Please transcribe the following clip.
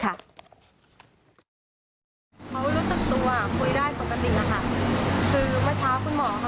เขารู้สึกตัวคุยได้ปกตินะคะ